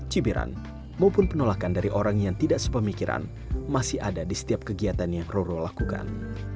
cibiran maupun penolakan dari orang yang tidak sepemikiran masih ada di setiap kegiatan yang roro lakukan